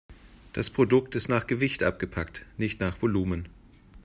Das Produkt ist nach Gewicht abgepackt, nicht nach Volumen.